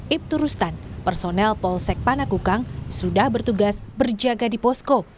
ibtu rustan personel polsek panakukang sudah bertugas berjaga di posko